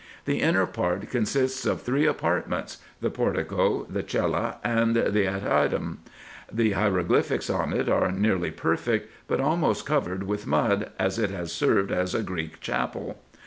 The inner part consists of three apartments : the portico, the cella, and the ady IN EGYPT, NUBIA, &c. 201 turn. The hieroglyphics on it are nearly perfect, but almost co vered with mud, as it has served as a Greek chapel.